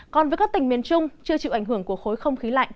còn với các tỉnh miền trung chưa chịu ảnh hưởng của khối không khí lạnh